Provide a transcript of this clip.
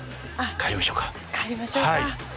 帰りましょうか。